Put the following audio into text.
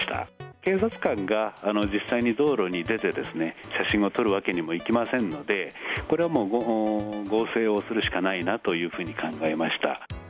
警察官が実際に道路に出てですね、写真を撮るわけにもいきませんので、これはもう、合成をするしかないなというふうに考えました。